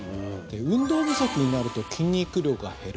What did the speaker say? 運動不足になると筋肉量が減る。